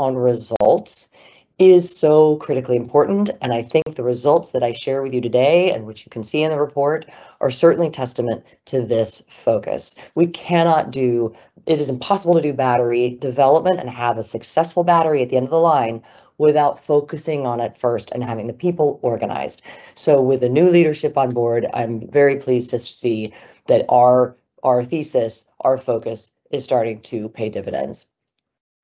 On results is so critically important, and I think the results that I share with you today, and which you can see in the report, are certainly testament to this focus. It is impossible to do battery development and have a successful battery at the end of the line without focusing on it first and having the people organized. With the new leadership on board, I'm very pleased to see that our thesis, our focus is starting to pay dividends.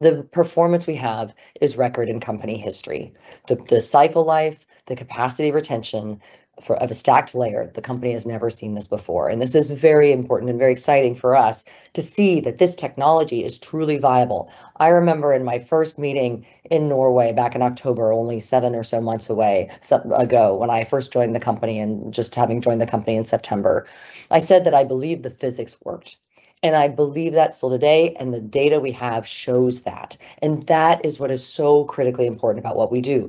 The performance we have is record in company history. The cycle life, the capacity retention of a stacked layer, the company has never seen this before. This is very important and very exciting for us to see that this technology is truly viable. I remember in my first meeting in Norway back in October, only seven or so months ago, when I first joined the company and just having joined the company in September. I said that I believe the physics worked, and I believe that still today, and the data we have shows that. That is what is so critically important about what we do.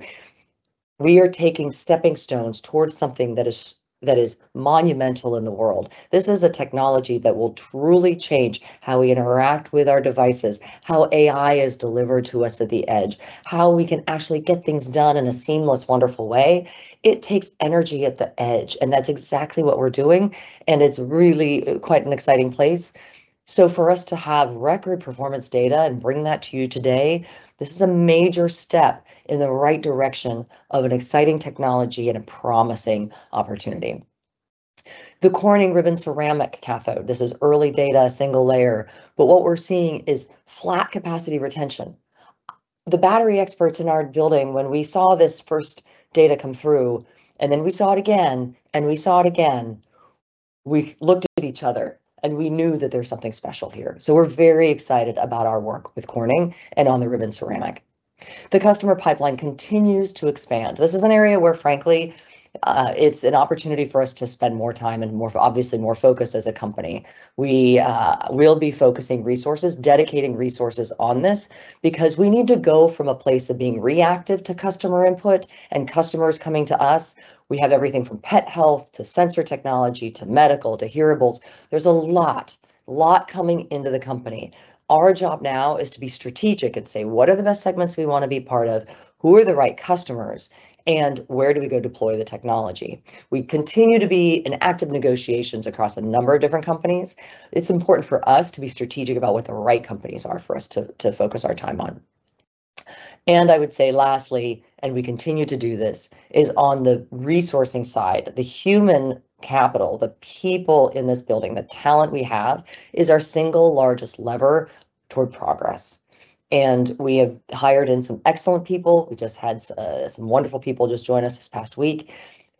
We are taking stepping stones towards something that is monumental in the world. This is a technology that will truly change how we interact with our devices, how AI is delivered to us at the edge, how we can actually get things done in a seamless, wonderful way. It takes energy at the edge, and that's exactly what we're doing, and it's really quite an exciting place. For us to have record performance data and bring that to you today, this is a major step in the right direction of an exciting technology and a promising opportunity. The Corning Ribbon Ceramic cathode. This is early data, single layer. What we're seeing is flat capacity retention. The battery experts in our building, when we saw this first data come through, and then we saw it again, and we saw it again, we looked at each other and we knew that there's something special here. We're very excited about our work with Corning and on the Ribbon Ceramic. The customer pipeline continues to expand. This is an area where, frankly, it's an opportunity for us to spend more time and obviously more focus as a company. We'll be focusing resources, dedicating resources on this because we need to go from a place of being reactive to customer input and customers coming to us. We have everything from pet health to sensor technology to medical to hearables. There's a lot coming into the company. Our job now is to be strategic and say, "What are the best segments we want to be part of? Who are the right customers? And where do we go deploy the technology?" We continue to be in active negotiations across a number of different companies. It's important for us to be strategic about what the right companies are for us to focus our time on. I would say lastly, and we continue to do this, is on the resourcing side. The human capital, the people in this building, the talent we have is our single largest lever toward progress. We have hired in some excellent people. We just had some wonderful people just join us this past week,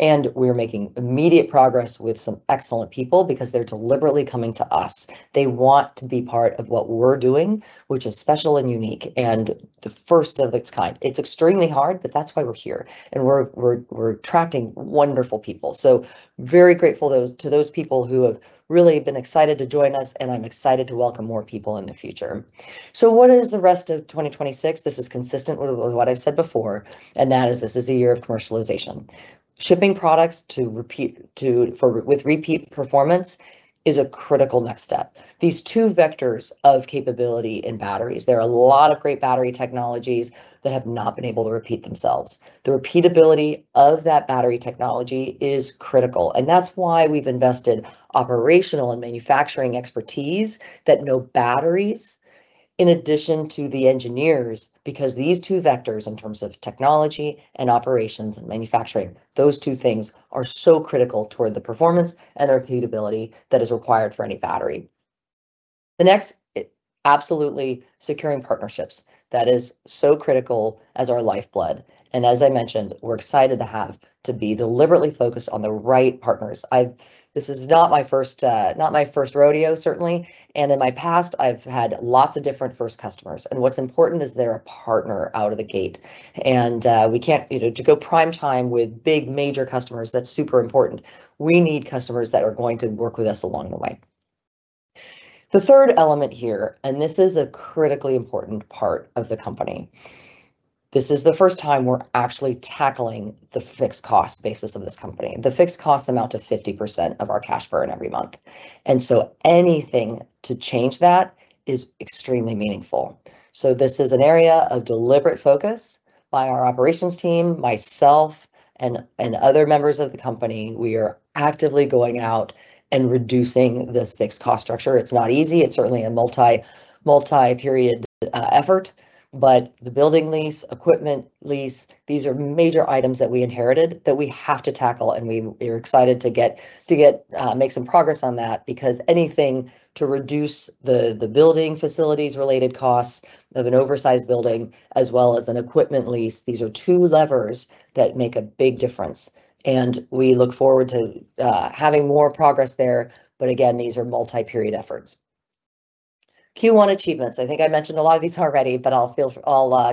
and we are making immediate progress with some excellent people because they're deliberately coming to us. They want to be part of what we're doing, which is special and unique and the first of its kind. It's extremely hard, but that's why we're here. We're attracting wonderful people. Very grateful to those people who have really been excited to join us, and I'm excited to welcome more people in the future. What is the rest of 2026? This is consistent with what I've said before, and that is this is the year of commercialization. Shipping products with repeat performance is a critical next step. These two vectors of capability in batteries, there are a lot of great battery technologies that have not been able to repeat themselves. The repeatability of that battery technology is critical, and that's why we've invested operational and manufacturing expertise that know batteries in addition to the engineers, because these two vectors, in terms of technology and operations and manufacturing, those two things are so critical toward the performance and the repeatability that is required for any battery. The next, absolutely securing partnerships. That is so critical as our lifeblood. As I mentioned, we're excited to have to be deliberately focused on the right partners. This is not my first rodeo, certainly. In my past, I've had lots of different first customers. What's important is they're a partner out of the gate. To go prime time with big, major customers, that's super important. We need customers that are going to work with us along the way. The third element here, this is a critically important part of the company. This is the first time we're actually tackling the fixed cost basis of this company. The fixed costs amount to 50% of our cash burn every month. Anything to change that is extremely meaningful. This is an area of deliberate focus by our operations team, myself, and other members of the company. We are actively going out and reducing this fixed cost structure. It's not easy. It's certainly a multi-period effort. The building lease, equipment lease, these are major items that we inherited that we have to tackle, and we are excited to make some progress on that because anything to reduce the building facilities related costs of an oversized building as well as an equipment lease, these are two levers that make a big difference. We look forward to having more progress there. Again, these are multi-period efforts. Q1 achievements. I think I mentioned a lot of these already, but I'll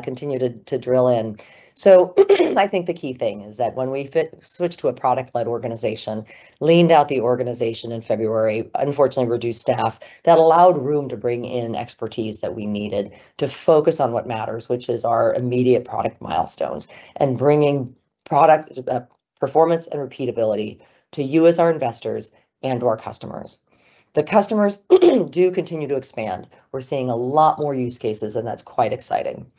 continue to drill in. I think the key thing is that when we switched to a product-led organization, leaned out the organization in February, unfortunately reduced staff, that allowed room to bring in expertise that we needed to focus on what matters, which is our immediate product milestones. Bringing product performance and repeatability to you as our investors and/or customers. The customers do continue to expand. We're seeing a lot more use cases, and that's quite exciting.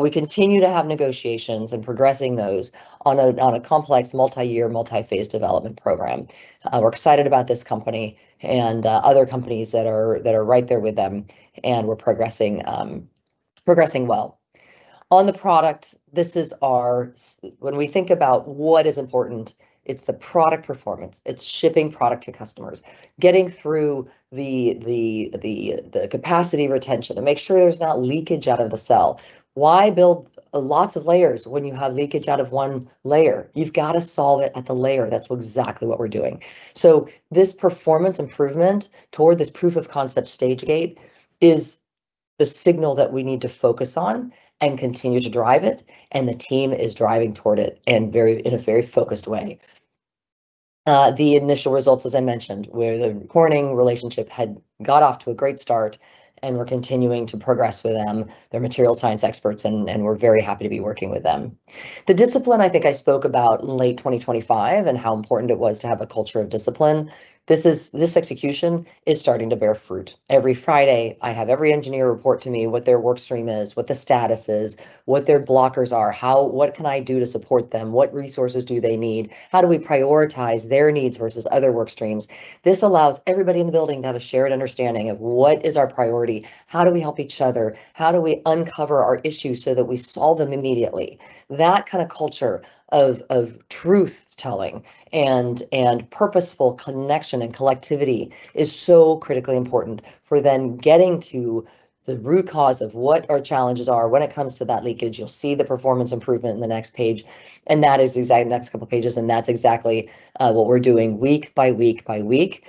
We continue to have negotiations and progressing those on a complex multi-year, multi-phase development program. We're excited about this company and other companies that are right there with them, and we're progressing well. On the product, when we think about what is important, it's the product performance. It's shipping product to customers. Getting through the capacity retention to make sure there's not leakage out of the cell. Why build lots of layers when you have leakage out of one layer? You've got to solve it at the layer. This performance improvement toward this proof of concept stage gate is the signal that we need to focus on and continue to drive it, and the team is driving toward it in a very focused way. The initial results, as I mentioned, where the Corning relationship had got off to a great start, and we're continuing to progress with them. They're material science experts, and we're very happy to be working with them. The discipline, I think I spoke about in late 2025 and how important it was to have a culture of discipline. This execution is starting to bear fruit. Every Friday, I have every engineer report to me what their work stream is, what the status is, what their blockers are, what can I do to support them, what resources do they need, how do we prioritize their needs versus other work streams. This allows everybody in the building to have a shared understanding of what is our priority, how do we help each other, how do we uncover our issues so that we solve them immediately. That kind of culture of truth-telling and purposeful connection and collectivity is so critically important for then getting to the root cause of what our challenges are. When it comes to that leakage, you'll see the performance improvement in the next page, and that is the exact next couple of pages, and that's exactly what we're doing week by week by week.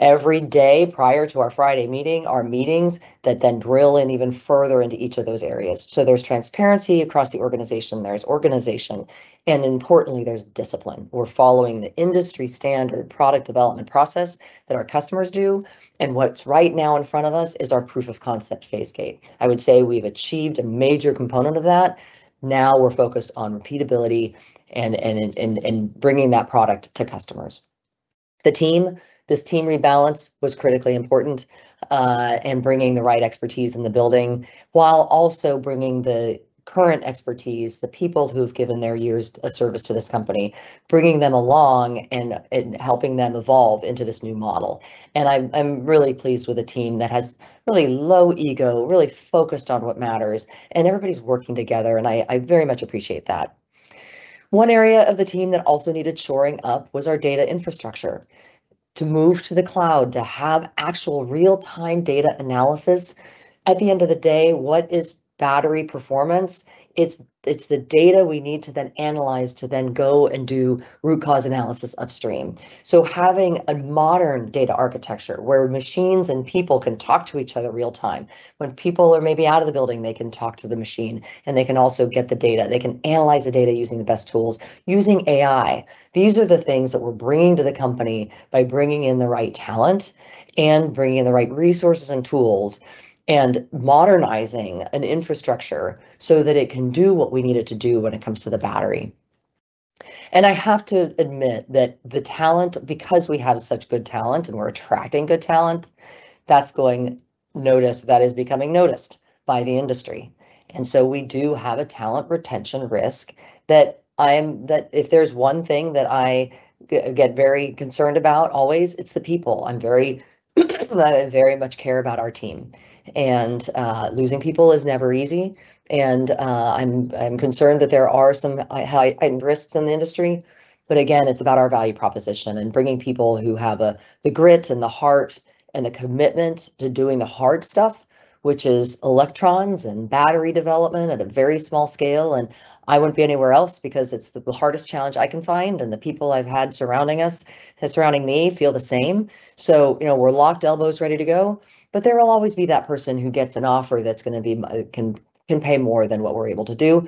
Every day prior to our Friday meeting, are meetings that then drill in even further into each of those areas. There's transparency across the organization, there's organization, and importantly, there's discipline. We're following the industry standard product development process that our customers do, and what's right now in front of us is our proof of concept phase gate. I would say we've achieved a major component of that. Now we're focused on repeatability and bringing that product to customers. The team. This team rebalance was critically important, and bringing the right expertise in the building while also bringing the current expertise, the people who've given their years of service to this company, bringing them along and helping them evolve into this new model. I'm really pleased with a team that has really low ego, really focused on what matters, and everybody's working together, and I very much appreciate that. One area of the team that also needed shoring up was our data infrastructure. To move to the cloud, to have actual real-time data analysis. At the end of the day, what is battery performance? It's the data we need to then analyze to then go and do root cause analysis upstream. Having a modern data architecture where machines and people can talk to each other real time. When people are maybe out of the building, they can talk to the machine, and they can also get the data. They can analyze the data using the best tools, using AI. These are the things that we're bringing to the company by bringing in the right talent and bringing in the right resources and tools, and modernizing an infrastructure so that it can do what we need it to do when it comes to the battery. I have to admit that the talent, because we have such good talent and we're attracting good talent, that is becoming noticed by the industry. We do have a talent retention risk that if there's one thing that I get very concerned about always, it's the people. I very much care about our team. Losing people is never easy, and I'm concerned that there are some heightened risks in the industry. Again, it's about our value proposition and bringing people who have the grit and the heart and the commitment to doing the hard stuff, which is electrons and battery development at a very small scale. I wouldn't be anywhere else because it's the hardest challenge I can find, and the people I've had surrounding us and surrounding me feel the same. We're locked elbows ready to go, but there will always be that person who gets an offer that's going to pay more than what we're able to do.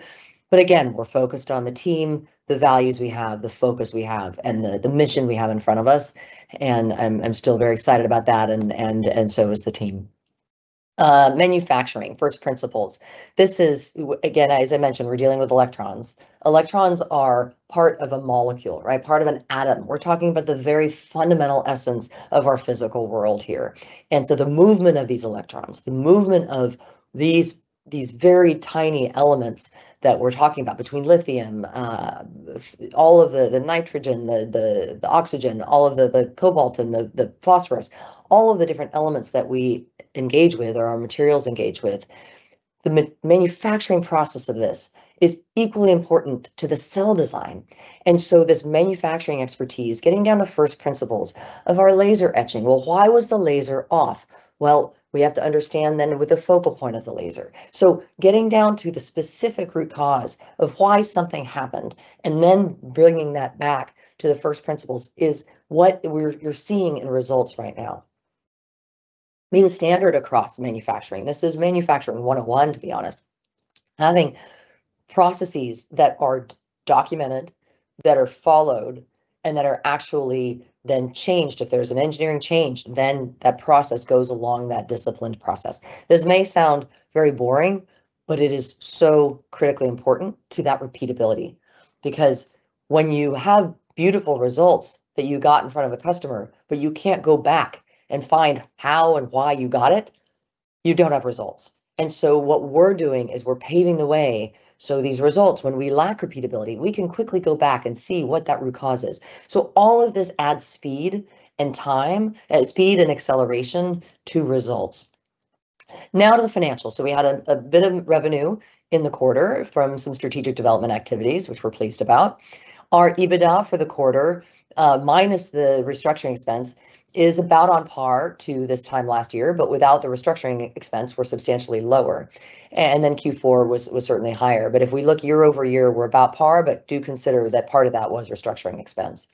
Again, we're focused on the team, the values we have, the focus we have, and the mission we have in front of us, and I'm still very excited about that, and so is the team. Manufacturing. First principles. This is, again, as I mentioned, we're dealing with electrons. Electrons are part of a molecule, right? Part of an atom. We're talking about the very fundamental essence of our physical world here. The movement of these electrons, the movement of these very tiny elements that we're talking about between lithium, all of the nitrogen, the oxygen, all of the cobalt and the phosphorus, all of the different elements that we engage with or our materials engage with. The manufacturing process of this is equally important to the cell design. This manufacturing expertise, getting down to first principles of our laser etching. Well, why was the laser off? Well, we have to understand then with the focal point of the laser. Getting down to the specific root cause of why something happened and then bringing that back to the first principles is what you're seeing in results right now. Lean standard across manufacturing. This is manufacturing 101, to be honest. Having processes that are documented that are followed and that are actually then changed. If there's an engineering change, then that process goes along that disciplined process. This may sound very boring, but it is so critically important to that repeatability because when you have beautiful results that you got in front of a customer, but you can't go back and find how and why you got it, you don't have results. What we're doing is we're paving the way so these results, when we lack repeatability, we can quickly go back and see what that root cause is. All of this adds speed and time, speed and acceleration to results. Now to the financials. We had a bit of revenue in the quarter from some strategic development activities, which we're pleased about. Our EBITDA for the quarter, minus the restructuring expense, is about on par to this time last year, but without the restructuring expense, we're substantially lower. Q4 was certainly higher. If we look year-over-year, we're about par, but do consider that part of that was restructuring expense.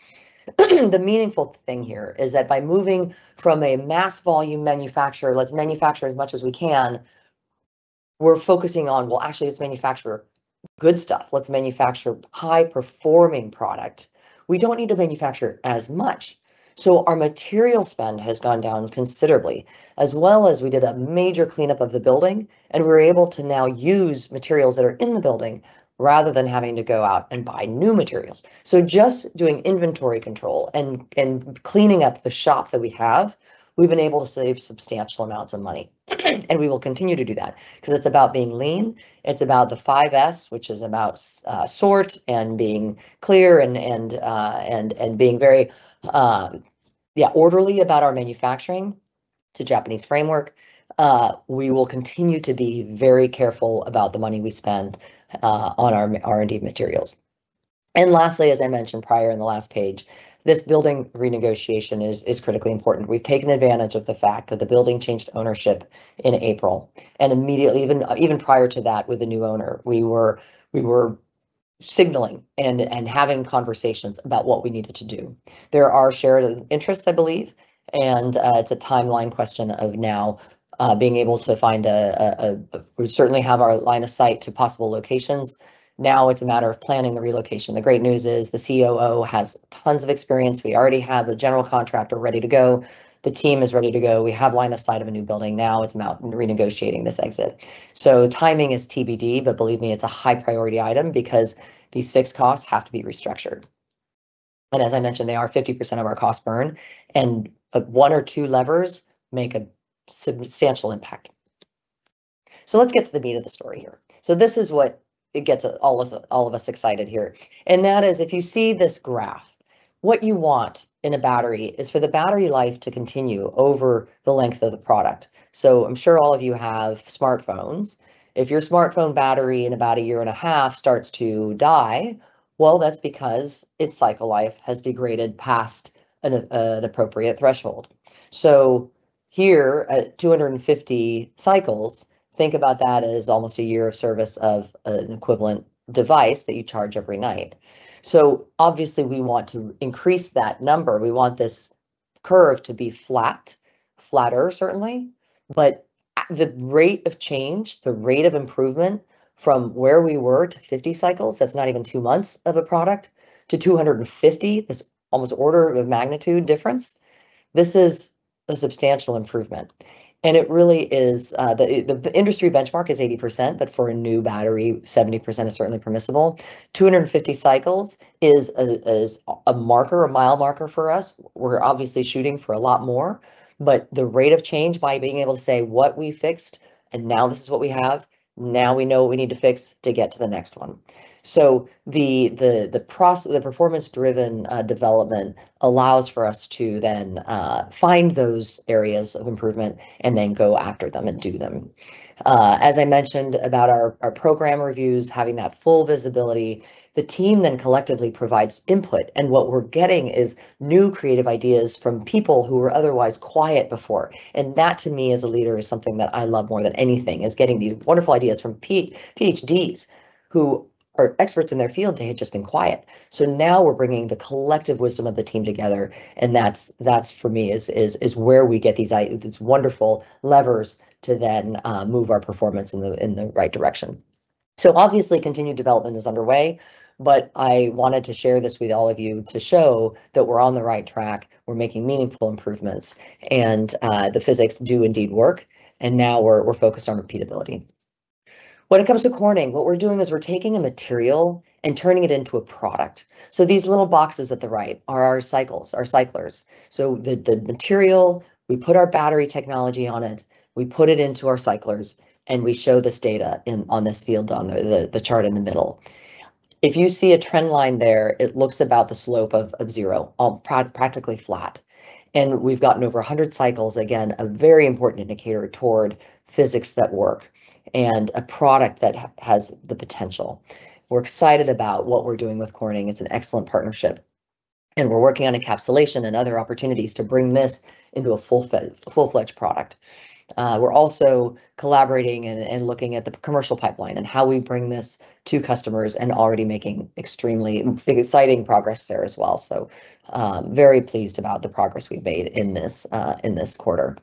The meaningful thing here is that by moving from a mass volume manufacturer, let's manufacture as much as we can, we're focusing on, well, actually, let's manufacture good stuff. Let's manufacture high-performing product. We don't need to manufacture as much. Our material spend has gone down considerably, as well as we did a major cleanup of the building, and we're able to now use materials that are in the building rather than having to go out and buy new materials. Just doing inventory control and cleaning up the shop that we have, we've been able to save substantial amounts of money, and we will continue to do that because it's about being lean. It's about the 5S, which is about sort and being clear and being very orderly about our manufacturing to Japanese framework. We will continue to be very careful about the money we spend on our R&D materials. Lastly, as I mentioned prior in the last page, this building renegotiation is critically important. We've taken advantage of the fact that the building changed ownership in April. Immediately, even prior to that with the new owner, we were signaling and having conversations about what we needed to do. There are shared interests, I believe. It's a timeline question of now being able to find. We certainly have our line of sight to possible locations. Now it's a matter of planning the relocation. The great news is the COO has tons of experience. We already have a general contractor ready to go. The team is ready to go. We have line of sight of a new building. Now it's about renegotiating this exit. Timing is TBD, but believe me, it's a high priority item because these fixed costs have to be restructured. As I mentioned, they are 50% of our cost burn, and one or two levers make a substantial impact. Let's get to the meat of the story here. This is what gets all of us excited here, and that is, if you see this graph, what you want in a battery is for the battery life to continue over the length of the product. I'm sure all of you have smartphones. If your smartphone battery in about a year and a half starts to die, well, that's because its cycle life has degraded past an appropriate threshold. Here at 250 cycles, think about that as almost a year of service of an equivalent device that you charge every night. Obviously we want to increase that number. We want this curve to be flat, flatter certainly, but the rate of change, the rate of improvement from where we were to 50 cycles, that's not even two months of a product, to 250, this almost order of magnitude difference, this is a substantial improvement. The industry benchmark is 80%, but for a new battery, 70% is certainly permissible. 250 cycles is a marker, a mile marker for us. We're obviously shooting for a lot more, but the rate of change by being able to say what we fixed and now this is what we have, now we know what we need to fix to get to the next one. The performance-driven development allows for us to then find those areas of improvement and then go after them and do them. As I mentioned about our program reviews, having that full visibility, the team then collectively provides input, and what we're getting is new creative ideas from people who were otherwise quiet before. That to me, as a leader, is something that I love more than anything, is getting these wonderful ideas from PhDs who are experts in their field. They had just been quiet. Now we're bringing the collective wisdom of the team together, and that for me is where we get these wonderful levers to then move our performance in the right direction. Obviously, continued development is underway, but I wanted to share this with all of you to show that we're on the right track, we're making meaningful improvements, and the physics do indeed work, and now we're focused on repeatability. When it comes to Corning, what we're doing is we're taking a material and turning it into a product. These little boxes at the right are our cyclers. The material, we put our battery technology on it, we put it into our cyclers, and we show this data on this field on the chart in the middle. If you see a trend line there, it looks about the slope of zero, practically flat. We've gotten over 100 cycles, again, a very important indicator toward physics that work, and a product that has the potential. We're excited about what we're doing with Corning. It's an excellent partnership, and we're working on encapsulation and other opportunities to bring this into a full-fledged product. We're also collaborating and looking at the commercial pipeline and how we bring this to customers and already making extremely exciting progress there as well. Very pleased about the progress we've made in this quarter.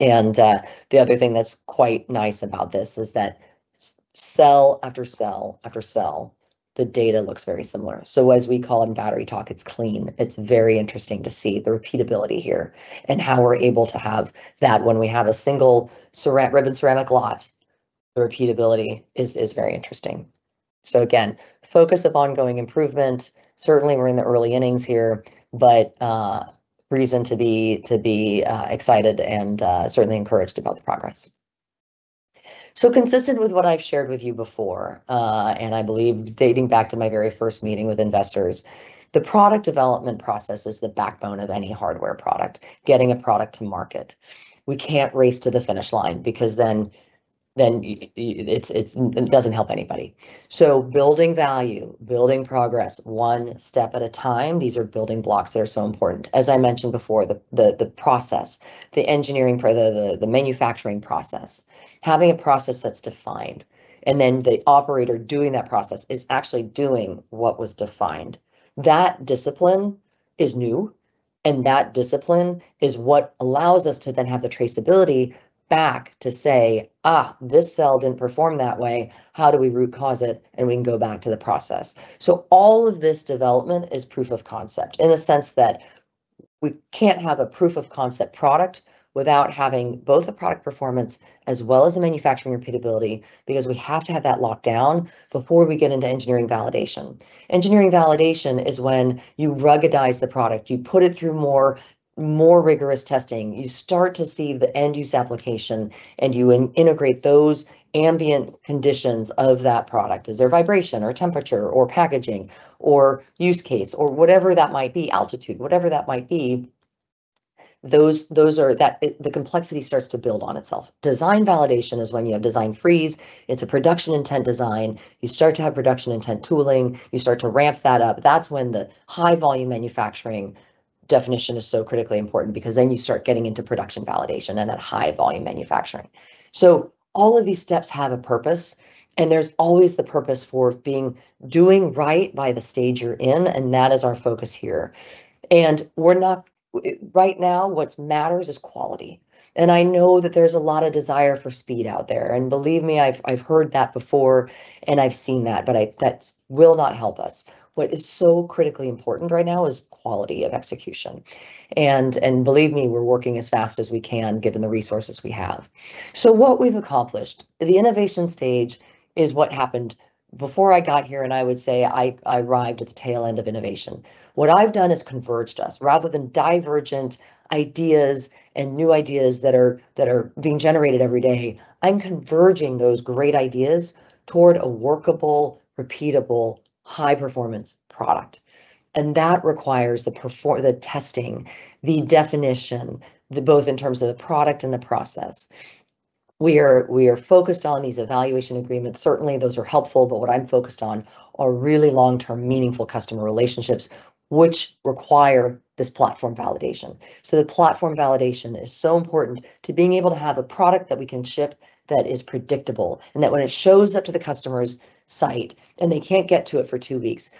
The other thing that's quite nice about this is that cell after cell after cell, the data looks very similar. As we call in battery talk, it's clean. It's very interesting to see the repeatability here and how we're able to have that when we have a single Ribbon Ceramic lot. The repeatability is very interesting. Again, focus of ongoing improvement. Certainly, we're in the early innings here, but reason to be excited and certainly encouraged about the progress. Consistent with what I've shared with you before, and I believe dating back to my very first meeting with investors, the product development process is the backbone of any hardware product, getting a product to market. We can't race to the finish line because then it doesn't help anybody. Building value, building progress one step at a time. These are building blocks that are so important. As I mentioned before, the process, the engineering part, the manufacturing process, having a process that's defined, and then the operator doing that process is actually doing what was defined. That discipline is new, and that discipline is what allows us to then have the traceability back to say, "This cell didn't perform that way. How do we root cause it?" We can go back to the process. All of this development is proof of concept in the sense that we can't have a proof of concept product without having both a product performance as well as the manufacturing repeatability, because we have to have that locked down before we get into engineering validation. Engineering validation is when you ruggedize the product, you put it through more rigorous testing. You start to see the end-use application, and you integrate those ambient conditions of that product. Is there vibration or temperature or packaging or use case, or whatever that might be, altitude, whatever that might be. The complexity starts to build on itself. Design validation is when you have design freeze. It's a production intent design. You start to have production intent tooling. You start to ramp that up. That's when the high volume manufacturing definition is so critically important because then you start getting into production validation and that high volume manufacturing. All of these steps have a purpose, and there's always the purpose for doing right by the stage you're in, and that is our focus here. Right now, what matters is quality. I know that there's a lot of desire for speed out there, and believe me, I've heard that before, and I've seen that, but that will not help us. What is so critically important right now is quality of execution. Believe me, we're working as fast as we can, given the resources we have. What we've accomplished, the innovation stage is what happened before I got here, and I would say I arrived at the tail end of innovation. What I've done is converged us rather than divergent ideas and new ideas that are being generated every day. I'm converging those great ideas toward a workable, repeatable, high performance product. That requires the testing, the definition, both in terms of the product and the process. We are focused on these evaluation agreements. Certainly, those are helpful, but what I'm focused on are really long-term, meaningful customer relationships which require this platform validation. The platform validation is so important to being able to have a product that we can ship that is predictable, and that when it shows up to the customer's site and they can't get to it for two weeks,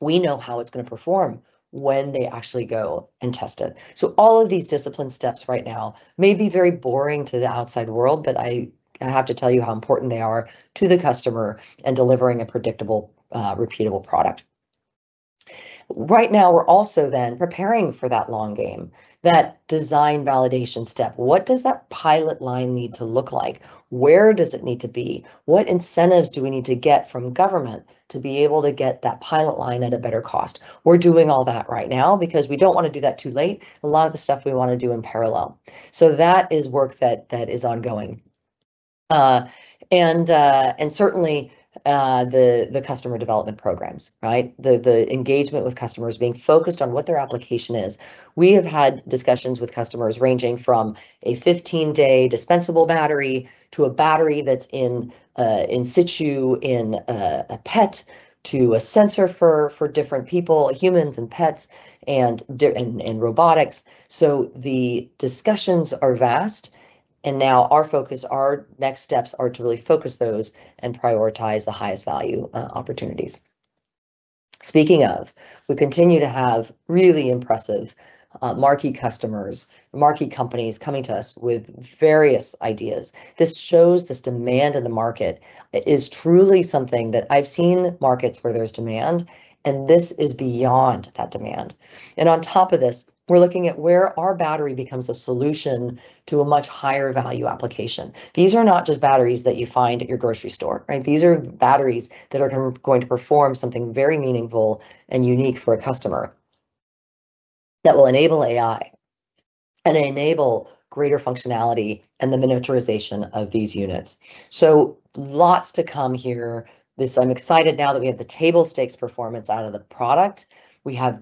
we know how it's going to perform when they actually go and test it. All of these discipline steps right now may be very boring to the outside world, but I have to tell you how important they are to the customer in delivering a predictable, repeatable product. Right now, we're also preparing for that long game, that design validation step. What does that pilot line need to look like? Where does it need to be? What incentives do we need to get from government to be able to get that pilot line at a better cost? We're doing all that right now because we don't want to do that too late, a lot of the stuff we want to do in parallel. That is work that is ongoing. Certainly, the customer development programs, right? The engagement with customers, being focused on what their application is. We have had discussions with customers ranging from a 15-day dispensable battery to a battery that's in situ in a pet, to a sensor for different people, humans and pets and robotics. The discussions are vast, and now our focus, our next steps are to really focus those and prioritize the highest value opportunities. Speaking of, we continue to have really impressive marquee customers, marquee companies coming to us with various ideas. This shows this demand in the market is truly something that I've seen markets where there's demand, and this is beyond that demand. On top of this, we're looking at where our battery becomes a solution to a much higher value application. These are not just batteries that you find at your grocery store, right? These are batteries that are going to perform something very meaningful and unique for a customer that will enable AI and enable greater functionality and the miniaturization of these units. Lots to come here. I'm excited now that we have the table stakes performance out of the product. We have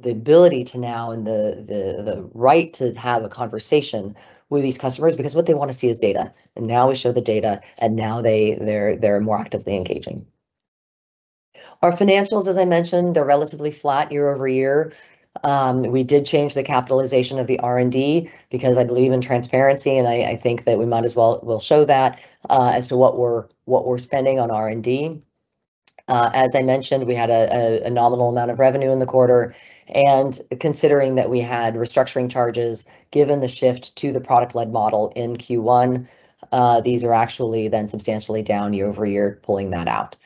the ability to now and the right to have a conversation with these customers because what they want to see is data. Now we show the data, and now they're more actively engaging. Our financials, as I mentioned, they're relatively flat year-over-year. We did change the capitalization of the R&D because I believe in transparency, and I think that we might as well show that as to what we're spending on R&D. Considering that we had restructuring charges, given the shift to the product-led model in Q1, these are actually then substantially down year-over-year, pulling that out.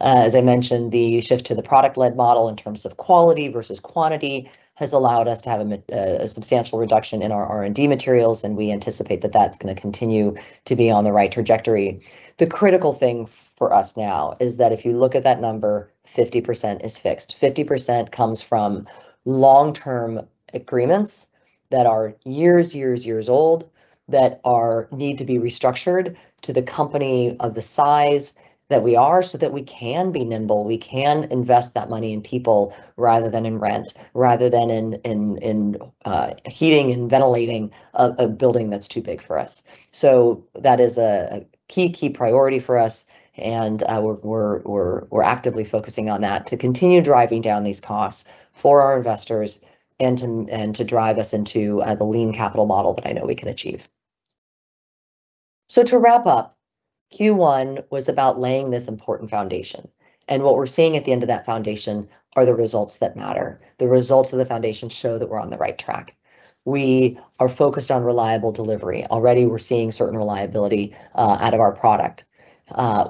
As I mentioned, the shift to the product-led model in terms of quality versus quantity has allowed us to have a substantial reduction in our R&D materials. We anticipate that that's going to continue to be on the right trajectory. The critical thing for us now is that if you look at that number, 50% is fixed. 50% comes from long-term agreements that are years, years old, that need to be restructured to the company of the size that we are so that we can be nimble. We can invest that money in people rather than in rent, rather than in heating and ventilating a building that's too big for us. That is a key priority for us, and we're actively focusing on that to continue driving down these costs for our investors and to drive us into the lean capital model that I know we can achieve. To wrap up, Q1 was about laying this important foundation. What we're seeing at the end of that foundation are the results that matter. The results of the foundation show that we're on the right track. We are focused on reliable delivery. Already we're seeing certain reliability out of our product.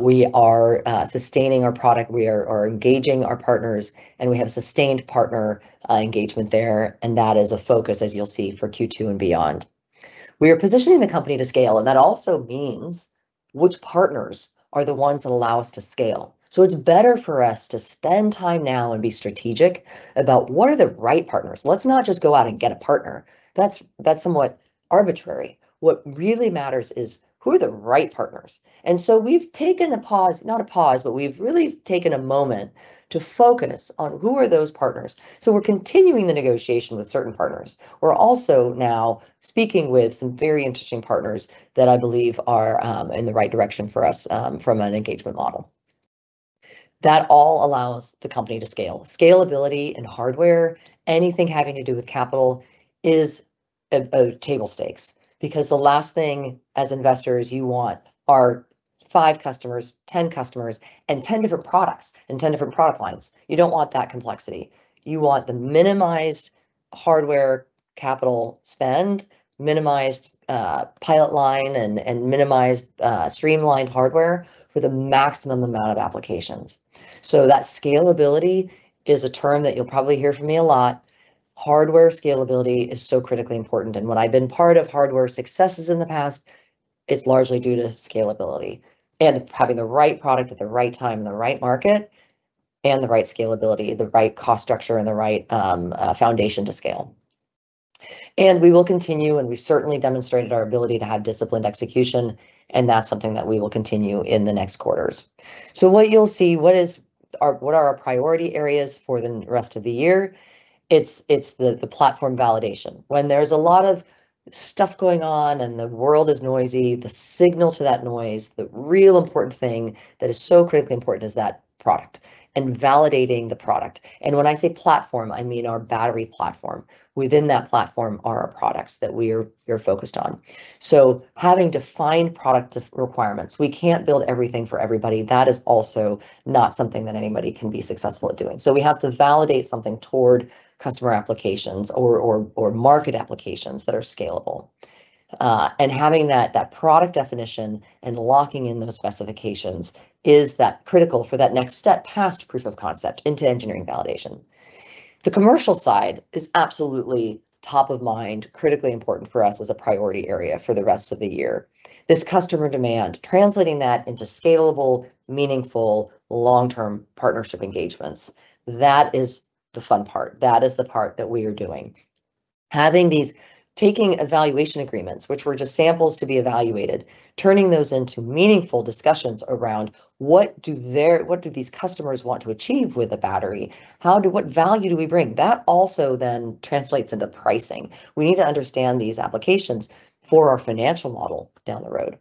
We are sustaining our product. We are engaging our partners, and we have sustained partner engagement there, and that is a focus, as you'll see, for Q2 and beyond. We are positioning the company to scale, and that also means which partners are the ones that allow us to scale. It's better for us to spend time now and be strategic about what are the right partners. Let's not just go out and get a partner. That's somewhat arbitrary. What really matters is who are the right partners. We've taken a pause, not a pause, but we've really taken a moment to focus on who are those partners. We're continuing the negotiation with certain partners. We're also now speaking with some very interesting partners that I believe are in the right direction for us from an engagement model. That all allows the company to scale. Scalability and hardware, anything having to do with capital is about table stakes. The last thing as investors you want are five customers, 10 customers, and 10 different products and 10 different product lines. You don't want that complexity. You want the minimized hardware capital spend, minimized pilot line, and minimized streamlined hardware with a maximum amount of applications. That scalability is a term that you'll probably hear from me a lot. Hardware scalability is so critically important. When I've been part of hardware successes in the past, it's largely due to scalability and having the right product at the right time and the right market and the right scalability, the right cost structure, and the right foundation to scale. We will continue, and we've certainly demonstrated our ability to have disciplined execution, and that's something that we will continue in the next quarters. What you'll see, what are our priority areas for the rest of the year? It's the platform validation. When there's a lot of stuff going on and the world is noisy, the signal to that noise, the real important thing that is so critically important is that product and validating the product. When I say platform, I mean our battery platform. Within that platform are our products that we are focused on. Having defined product requirements. We can't build everything for everybody. That is also not something that anybody can be successful at doing. We have to validate something toward customer applications or market applications that are scalable. Having that product definition and locking in those specifications is that critical for that next step past proof of concept into engineering validation. The commercial side is absolutely top of mind, critically important for us as a priority area for the rest of the year. This customer demand, translating that into scalable, meaningful, long-term partnership engagements, that is the fun part. That is the part that we are doing. Having these taking evaluation agreements, which were just samples to be evaluated, turning those into meaningful discussions around what do these customers want to achieve with a battery? What value do we bring? That also then translates into pricing. We need to understand these applications for our financial model down the road.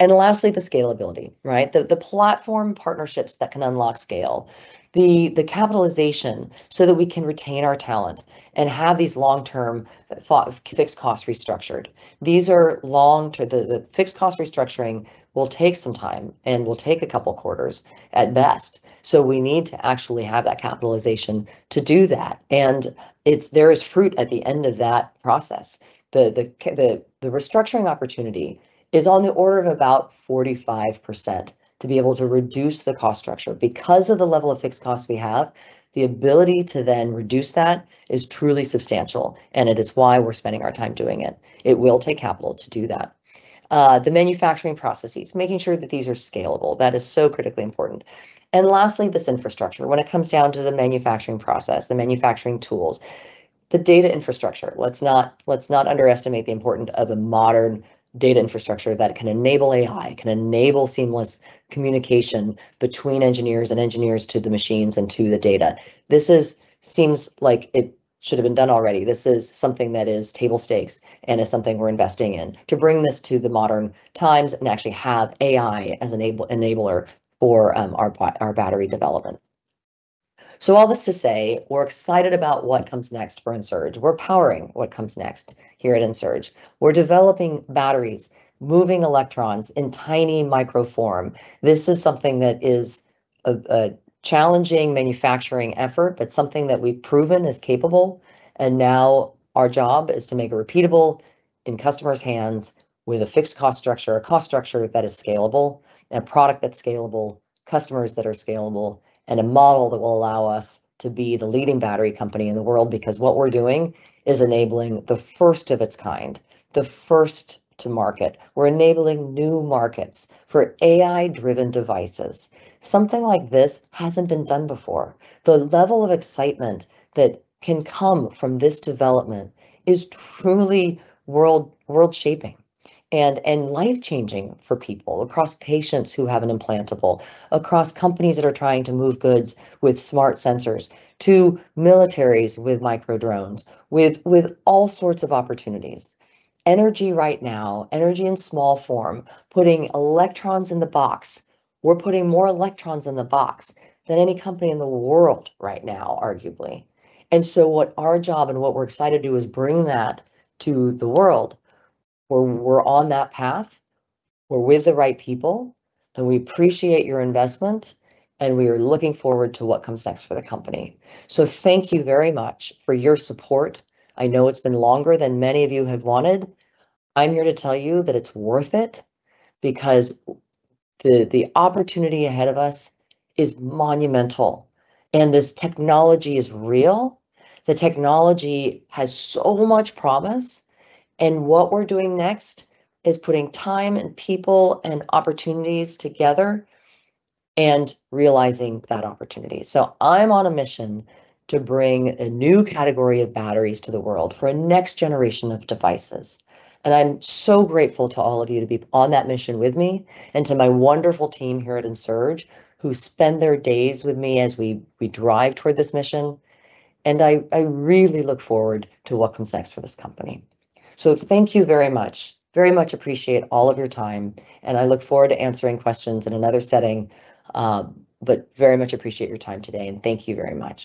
Lastly, the scalability, right? The platform partnerships that can unlock scale. The capitalization so that we can retain our talent and have these long-term fixed costs restructured. The fixed cost restructuring will take some time and will take two quarters at best. We need to actually have that capitalization to do that. There is fruit at the end of that process. The restructuring opportunity is on the order of about 45% to be able to reduce the cost structure. Of the level of fixed costs we have, the ability to then reduce that is truly substantial, and it is why we're spending our time doing it. It will take capital to do that. The manufacturing processes, making sure that these are scalable. That is so critically important. Lastly, this infrastructure. It comes down to the manufacturing process, the manufacturing tools, the data infrastructure. Let's not underestimate the importance of a modern data infrastructure that can enable AI, can enable seamless communication between engineers and engineers to the machines and to the data. This seems like it should have been done already. This is something that is table stakes and is something we're investing in to bring this to the modern times and actually have AI as an enabler for our battery development. All this to say, we're excited about what comes next for Ensurge. We're powering what comes next here at Ensurge. We're developing batteries, moving electrons in tiny micro form. This is something that is a challenging manufacturing effort, but something that we've proven is capable. Now our job is to make it repeatable in customers' hands with a fixed cost structure, a cost structure that is scalable, and a product that's scalable, customers that are scalable, and a model that will allow us to be the leading battery company in the world because what we're doing is enabling the first of its kind, the first to market. We're enabling new markets for AI-driven devices. Something like this hasn't been done before. The level of excitement that can come from this development is truly world-shaping and life-changing for people across patients who have an implantable, across companies that are trying to move goods with smart sensors, to militaries with micro drones, with all sorts of opportunities. Energy right now, energy in small form, putting electrons in the box. We're putting more electrons in the box than any company in the world right now, arguably. What our job and what we're excited to do is bring that to the world where we're on that path, we're with the right people, and we appreciate your investment, and we are looking forward to what comes next for the company. Thank you very much for your support. I know it's been longer than many of you have wanted. I'm here to tell you that it's worth it because the opportunity ahead of us is monumental. This technology is real. The technology has so much promise, and what we're doing next is putting time and people and opportunities together and realizing that opportunity. I'm on a mission to bring a new category of batteries to the world for a next generation of devices. I'm so grateful to all of you to be on that mission with me and to my wonderful team here at Ensurge, who spend their days with me as we drive toward this mission. I really look forward to what comes next for this company. Thank you very much. Very much appreciate all of your time, and I look forward to answering questions in another setting. Very much appreciate your time today, and thank you very much.